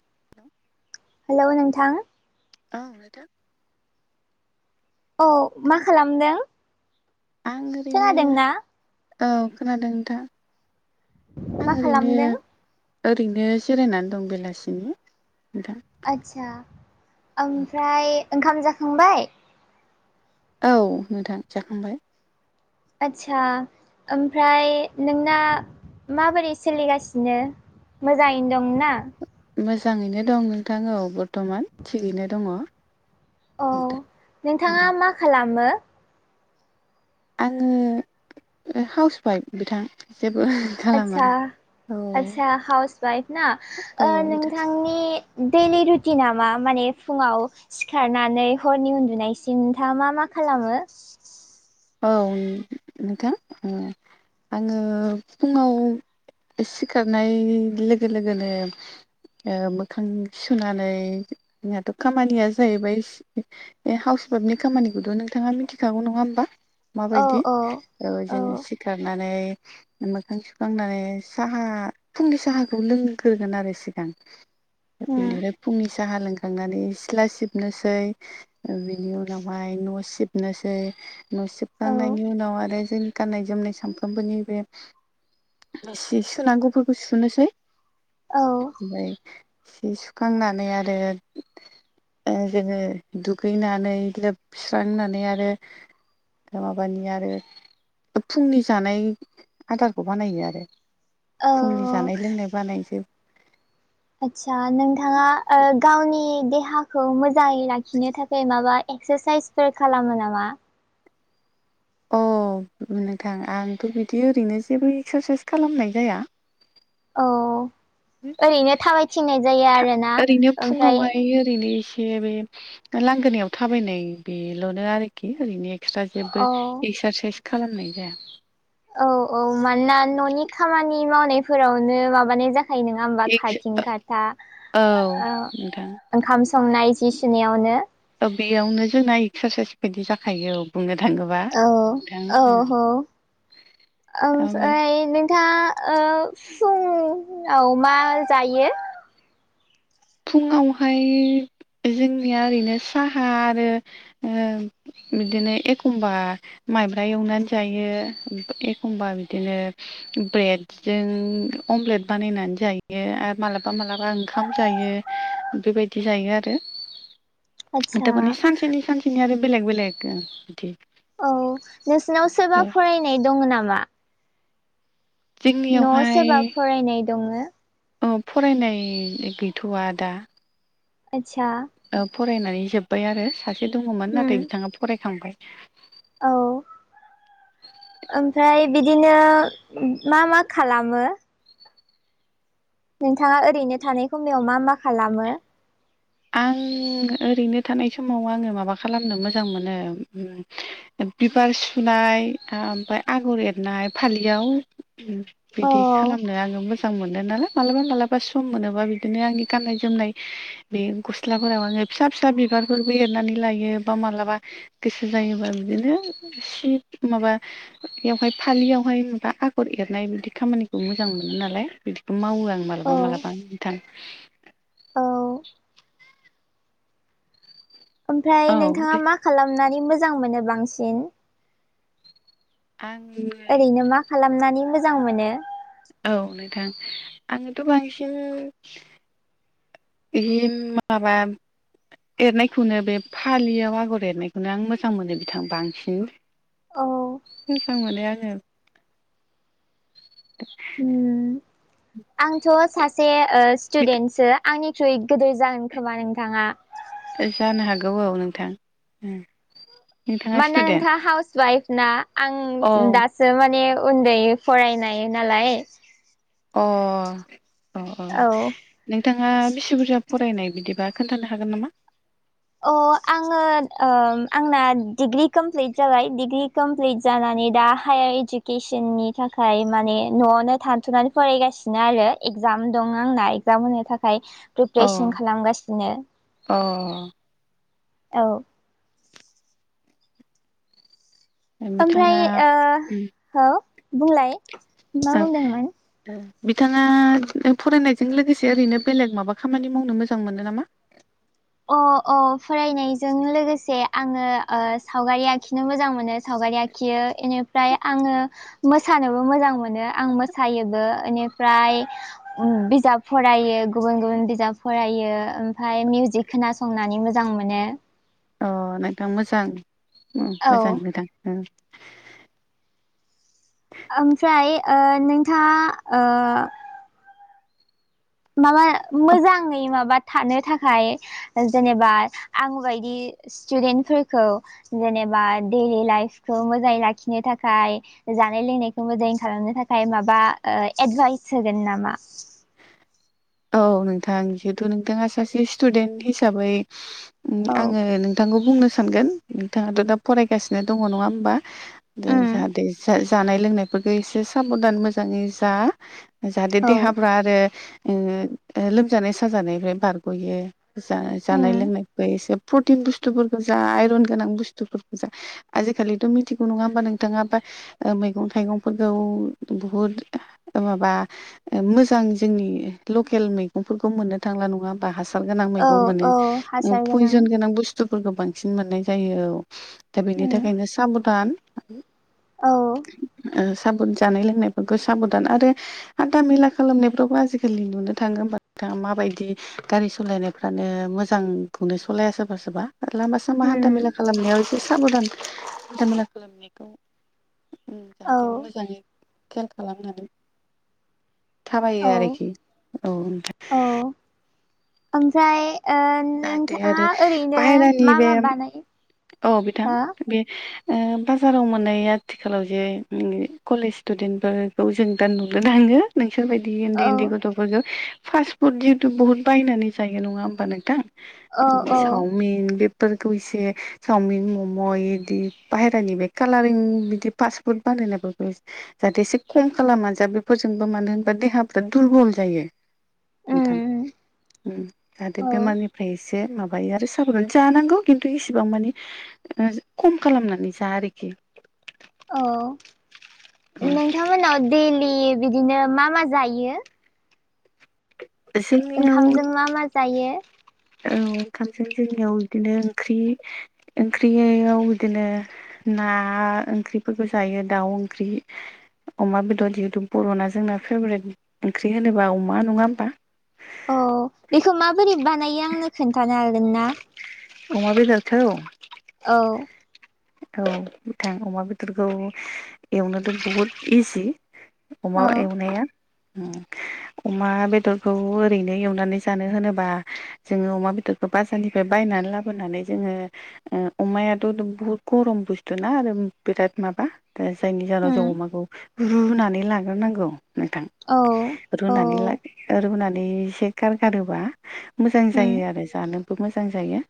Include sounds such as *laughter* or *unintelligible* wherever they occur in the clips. *inaudible* हेल' नोंथां। औ नोंथां। औ मा खालामदों? आं ओरैनो खोनादों ना? औ खोनादों नोंथां मा आं ओरैनो खालामदों ओरैनो जिरायनानै दं बेलासिनि नोंथां। आदसा आमफ्राय ओंखाम जाखांबाय? औ नोंथां जाखांबाय। आदसा आमफ्राय नोंना माबोरै सोलिगासिनो? मोजाङैनो दं ना? मोजाङैनो दं नोंथां औ बर्थमान थिगैनो दङ औ नोंथां नोंथाङा मा खालामो? आङो ओ हाउस वाइफ बिथां जेबो खालामा आदसा औ आदसा हाउस वाइफ ना औ ओ बिथां नोंथांनि दैलि रुटि नामा माने फुङाव सिखारनानै हरनि उन्दुनायसिम नोंथाङा मा मा खालामो? औ नो-नोंथां ओ आङो फुङाव सिखारनाय लोगो लोगोनो ओ मोखां सुनानै नियाथ' खामानिया जाहैबाय ए हाउस वाइफनि खामानिखौथ' नोंथाङा मिथिखागौ नङा होमबा औ माबायदि। औ औ जोङो सिखारनानै मोखां सुखांनानै साहा फुंनि साहाखौ लोंग्रोगोन आरो सिगां। उम बेनिफ्राय फुंनि साहा लोंखांनानै सिथ्ला सिबनोसै। बिनि उनावहाय न' सिबनोसै न' औ सिबखांनायनि उनाव आरो जोंनि गाननाय जोमनाय सानफ्रोमबोनि बे सि सुनांगौफोरखौ सुनोसै। औ ओमफ्राय सि सुखांनानै आरो ओ जोङो दुगैनानै लोबस्रांनानै आरो माबानि आरो फुंनि जानाय आदारखौ बानायो आरो औ फुंनि जानाय लोंनाय बानायजोब आटचा नोंथाङा गावनि देहाखौ मोजाङै लाखिनो थाखाय माबा एक्सारसाइस खालामो नामा? अ उम नोंथां आंथ' बिदि ओरैनो जेबो एक्सारसाइस खालामनाय जाया। औ ओरैनो थाबायथिंनाय जायो आरोना। ओमफ्राय बे ओरैनो एसे बे लांगोनायाव थाबायनाय बेल'नो आरोखि ओरैनो एक्सट्रा जेबो औ एक्सारसाइस खालामनाय जाया। औ औ मानोना न'नि खामानि मावनायफोरावनो माबानाय जाखायो नों आ होमबा खारथिं खाथा औ नोंथां ओंखाम संनाय जि सुनायावनो। बेयावनो जोंना एक्सारसाइस बायदि जाखायो औ बुंनो थाङोबा। औ नोंथां औ ओमफ्राय नोंथाङा ओ फुंआव मा जायो? फुङावहाय जोंनिया ओरैनो साहा आरो ओम बिदिनो एखमबा माइब्रा एवनानै जायो। एखमबा बिदिनो ब्रेड जों अमलेट बानायनानै जायो आरो मालाबा मालाबा ओंखाम जायो। बेबायदि जायो आरो। आदसा थारमानि सानसेनि सानसे बिदिनो आरो बेलेग बेलेग ओं बिदि। औ नोंसिनाव सोरबा फरायनाय दङ नामा? न'आव सोरबा फरायनाय दङो? अ फरायनाय गैथ'वा दा आटचा। ओ फरायनानै जोब्बाय आरो सासे दङमोन उम नाथाय बिथाङा फरायखांबाय। औ ओमफ्राय बिदिनो मा मा खालामो? नोंथाङा ओरैनो थानाय समायाव मा मा खालामो? आं ओरैनो थानाय समाव आङो माबा खालामनो मोजां मोनो उम बिबार सुनाय ओमफ्राय आगर एरनाय फालियाव अ बिदि औ खालामनो आङो मोजां मोनो नालाय मालाबा मालाबा सम मोनोबा बिदिनो आंनि गाननाय जोमनाय बे गस्लाफोराव आङो फिसा फिसा बिबारफोरबो एरनानै लायो। बा मालाबा गोसो जायोबा बिदिनो सि माबा बेवहाय फालियावहाय माबा आगर एरनाय बिदि खामानिखौ मोजां मोनो नालाय बिदिखौ मावो आं मालाबा मालाबा नोंथां। औ ओमफ्राय औ नोंथाङा ओमफ्राय मा खालामनानै मोजां मोनो बांसिन? आं ओरैनो मा खालामनानै मोजां मोनो औ नोंथां आङोथ' बांसिन बि माबा एरनायखौनो बे फालियाव आगर एरनायखौनो आं मोजां मोनो बिथां बांसिन औ। मोजां मोनो आङो उम *inaudible* आंथ' सासे ओ स्टुदेन्टसो आंनिख्रुइ गिदिर जागोन खोमा नोंथाङा। जानो हागौ औ नोंथां। नोंथाङा मानोना स्टुडेन्ट नोंथाङा हाउस वाइफ ना औ आं दा सो माने उन्दै फरायनाय नालाय अ' अ' औ अ'। नोंथाङा बिसि बुरजा फरायनाय बिदिबा खोन्थानो हागोन नामा? अ' आङो ओ आंना डिग्रि कमप्लिट जाबाय डिग्रि कमप्लिट जानानै दा हायार इडुकेसननि थाखाय माने न'आवनो थानथ'नानै फरायगासिनो आरो। इगजाम दं आंना एगजाम होनो थाखाय अ प्रिपेरेसन खालामगासिनो अ'। औ। बिथाङा ओमफ्राय ओ ओं हो बुंलाय मा बुंदोंमोन औ। बिथाङा फरायनायजों लोगोसे ओरैनो बेलेग माबा खामानि मावनो मोजां मोनो नामा। अ' अ' फरायनायजों लोगोसे आङो सावगारि आखिनो मोजां मोनो। सावगारि आखियो ए ओमफ्राय आङो मोसानोबो मोजां मोनो आं मोसायोबो बेनिफ्राय उम बिजाब फरायो गुबुन गुबुन बिजाब फरायो ओमफ्राय मिउजिक खोनासंनानै मोजां मोनो। अ' नोंथां मोजां औ मोजां नोंथां ओ। ओमफ्राय ओ नोंथाङा ओ माबा मोजाङै माबा थानो थाखाय जेनेबा आं बायदि स्टुदेन्टफोरखौ जेनेबा दैइलि लाइफखौ मोजाङै लाखिनो थाखाय जानाय लोंनायखौबो जयन खालामनो थाखाय माबा ओ एडभाइस होगोन नामा। औ नोंथां जिहेथु नोंथाङा सासे स्टुदेन्ट हिसाबै औ आङो नोंथांखौ बुंनो सानगोन नोंथाङाथ' दा फरायगासिनो दङ नङा होनबा। दा उम जाहाथे जा जानाय लोंनायफोरखौ एसे साबधान मोजाङै जा जाहाथे औ देहाफ्रा आरो ओ लोमजानाय साजानायनिफ्राय बारग'यो उम जख‌जानाय लोंनायखौ एसे प्रटिन बुस्थुफोरखौ जा आइरन गोनां बुस्थुफोरखौ जा आजिखालिथ' मिथिगौ नङा होमबा नोंथाङा बा ओ मैगं थाइगंफोरखौ बहुद ओ माबा ओ मोजां जोंनि लकेल मैगंफोरखौ मोननो थांला नङा होनबा हासार गोनां औ मैगं मोनो औ ओ हासार पयजन गोनां बुस्थु बुस्थुफोरखौ बांसिन मोननाय जायो ओ दा बेनि उम थाखायनो साबधान औ ओ साब जानाय लोंनायफोरखौ साबदान आरो हान्था मेला खालामनायफ्रावबो आजि गोरलै नुनो थाङो होमबा नोथांङा माबायदि गारि सालायनायफ्रानो मोजांखौनो सलाया सोरबा सोरबा। लामा सामा उम हान्थामेला खालामनायाव एसे साबधान हान्थाामेला खालामनायखौ औ जाहाथे मोजाङै खेल खालामनानै थाबायो औ आरोखि। औ *unintelligible* औ ओमफ्राय ओ जाहाथे नोंथाङा आरो ओरैनो बाहेरानि मा बे मा बानाय औ बिथां बे बाजाराव मोननाया आथिखालाव जे कलेज स्टुदेन्ट फोरफोरखौ जों दा नुोन थाङो नोंसोरबायदि उन्दै उन्दै औ गथ' फास्ट फुद जिहेतु बुहुत बायनानै जायो नङा होमबा नोंथां औ औ चावमिन बेफोरफोरखौैसे सावमिन मम' इदि बाहेरानि बे कालारिं बिदि फास्टफुड बानायनाय बे जाहाथे एसे खम खालामा जा बेफोरजोंबो मानो होनबा देहाफ्रा दुरबल जायो उम ओखाम *unintelligible* ओम जाहाथे औ बेमारनिफ्राय एसे माबायो आरो साबधान जानांगौ खिन्थु इसिबां मानि। ओ खम खालामनानै जा आरोखि। औ नोंथांमोनाव दैलि बिदिनो मा मा जायो। जोंनियाव ओंखामजों मा मा जायो। औ ओंखामजोंं जोंनियाव इदिनो ओंख्रि ओंख्रियाव इदिनो। ना ओंख्रिफोरखौ जायो दाउ ओंख्रि। अमा बेदर जिहेतु बर'ना जोंना फेभरेट ओंख्रि होनोबा अमा नङा ओमबा। अ बेखौ माबोरै बानायो आंनो खोन्थानो हागोन ना। अमा बेदरखौ। औ। औ बिथां अमा बेदरखौ एवनोथ' बुहुद इजि। अमा औ एवनाया उम। अमा बेदरखौ ओरैनो एवनानै जानो होनोबा। जोङो अमा बेदरखौ बाजारनिफाय बायनानै लाबोनानै जोङो ओ अमायाथ' बुहुद। गरम बुस्थु ना आरो बिराद माबा ओ जायनि जाहोनाव उम जों अमाखौ। रुनानै लाग्रोनांगौ नोंथां। औ। औ रुनानै ला ओ रुनानै एसे गारगारोबा मोजां जायो उम आरो जानो। थब मोजां जायो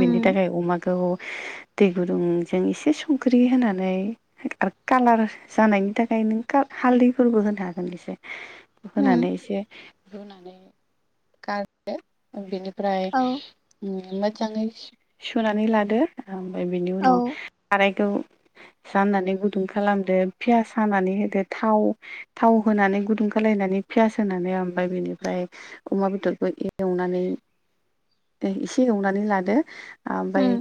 बेनि थाखाय अमाखौ। दै गुदुंजों एसे संख्रि होनानै। हो आरो कालार जानायनि थाखाय नों खा हालदैफोरबो होनो हागोन एसे। उम होनानै एसे रुनानै गार। लादो ओम बेनिफ्राय औ उम मोजाङै सु सुनानै लादो। ओमफाय बिनि औ उनाव सारायखौ। जाननानै गुदुं खालामदो पियास हानानै होदो थाव। थाव होनानै गुदुं खालायनानै पियास होनानै ओमबाय बिनिफ्राय। अमा बेदरखौ ए एवनानै ए एसे एवनानै लादो। आमफाय उम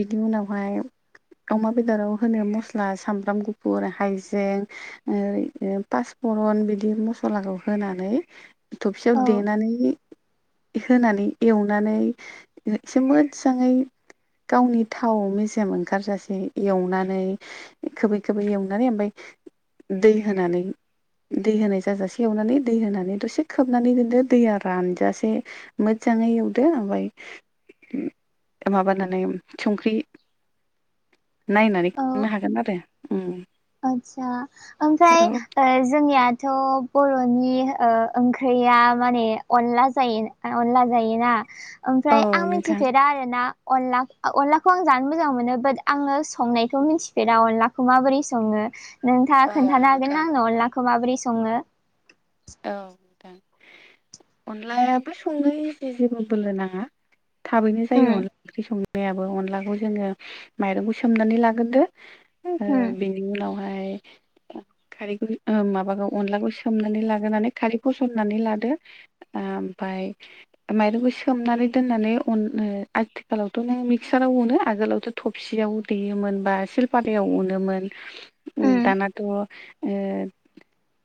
बिदि उनावहाय। अमा बेदराव होनो मस्ला सामब्राम गुफुर हाइजें। पासफरन बिदि मसलाखौ होनानै औ थफसेयाव देनानै होनानै एवनानै एसे मोजाङै। गावनि थाव मेजेम ओंखारजासे एवनानै। इखोबो इखोबो एवनानै ओमफाय दै होनानै। दै होनाय जाजासे एवनानै दै होनानै दसे खोबनानैदो दैया रानजासे। मोजाङै एवदो ओमफाय उम माबानानै। संख्रि नायनानै खांनो हागोन आरो ओम। आस्सा ओमफ्राय ओ जोंनियाथ'। बर'नि ओ ओंख्रिया माने अनला जायो अनला जायोना। औ ओमफ्राय आं नोंथां मिथिफेरा आरो ना। अनलाख अनलाखौ आं जानो मोजां मोनो बाट आङो संनायखौ मिन्थिफेरा अनलाखौ माबोरै सं सङो नोंथाङा औ खोन्थानो हागोन नोंथां ना आंनो अनलाखौ माबोरै संङो। औ ओ अनलायाबो संनो इजि जेबो बोलो नाङा। थाबैनो जायो उम अनला ओंख्रि संनाय दैयाबो अनलाखौ जोङो माइरंखौ सोमनानै लाग्रोदो ओ बे उम बिनि उनावहाय ओ खारैखौ ओ माबाखौ अनलाखौ सोमनानै ला होनानै खारैखौ सरनानै लादो ओ ओमफाय माइरंखौ सोमनानै दोननानै अन ओ आथिखालावथ' नों मिक्साराव अनो आगोलावथ' थबसियाव देयोमोन बा सिलपाथायाव उनोमोन ओम उम दानाथ' ओ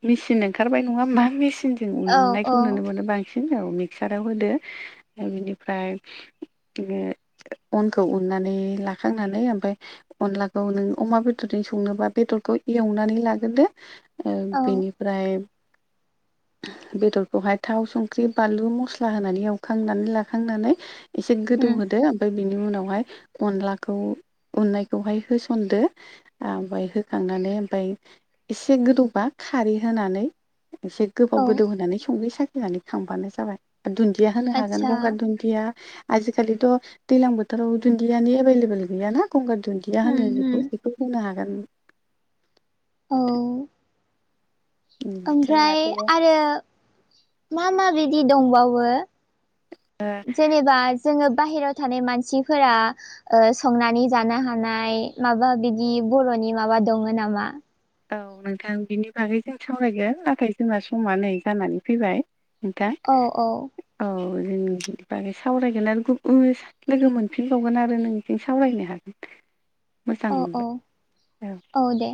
मिचिन ओंखारबाय नङा मा मेचिंजों औ औ उननायखौ नुनो मोनो बां सिन औ मिक्साराव होदो ओ बिनिफ्राय ए अनखौ उननानै लाखांनानै ओमफफ्राय अनलाखौ नों अमा बेदरजों संनोोबा बेदरखौ एवनानै लाग्रोदो ओ औ बेनिफ्राय बेदरखौहाय थाव संख्रि बानलु मस्ला होनानै एवखांनानै लाखांनानै एसे गोदौ उम होदो ओमफ्राय बिनि उनावहाय अनलाखौ उननायखौहाय होसनदो। ओमफ्राय होखांनानै ओमफ्राय एसे गोदौबा खारै होनानै एसे गोबाव औ गोदौ होनानै संगै साखिनानै खांबानो जाबाय दुन्दिया होनो हागोन आदसा गंगार दुन दिया आजिखालिथ' दैलां बोथोराव दुन्दियानि एभेलेबल गैयाना। गंगार दुन्दिया उम होनो बेखौ उम बेखौ बुंनो हागोन। औ ओमफ्राय जोंहाथ' ओ आरो मा मा बिदि दंबावो? ओ जेनेबा जोङो बाहेरायाव थानाय मानसिफोरा ओ संनानै जानो हानाय माबा बिदि बर'नि माबा दङ नामा? औ नोंथां बिनि बागै जों सावरायगोन नाथाय जोंहा समा नै जानानै फैबाय। नोंथां औ औ औ जों बागै सावरायगोन आरो गुबुन लोगो मोनफिनबावगोन आरो नों जों सावरायनो हागोन‌। *inaudible* मोजां औ मोनबाय औ। औ दे।